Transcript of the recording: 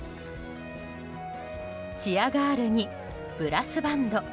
チアガールにブラスバンド。